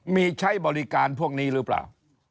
มีใช้บริการพวกนี้หรือเปล่า